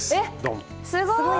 すごい！